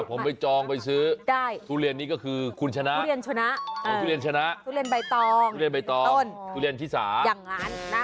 ผมไปจองไปซื้อทุเรียนนี่ก็คือคุณชนะทุเรียนชนะทุเรียนใบตองทุเรียนที่สาอย่างนั้นนะ